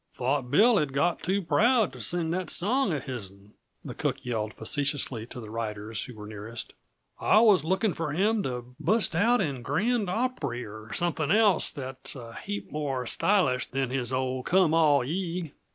"Thought Bill had got too proud t' sing that song uh hisn," the cook yelled facetiously to the riders who were nearest. "I was lookin' for him to bust out in grand opry, or something else that's a heap more stylish than his old come all ye."